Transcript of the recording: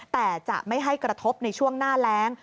แต่จะไม่ให้กระทบในช่วงหน้าแรง